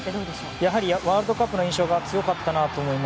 やはりワールドカップの印象が強かったなと思います。